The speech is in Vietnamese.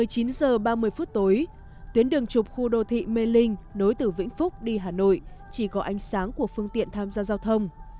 một mươi chín h ba mươi phút tối tuyến đường trục khu đô thị mê linh nối từ vĩnh phúc đi hà nội chỉ có ánh sáng của phương tiện tham gia giao thông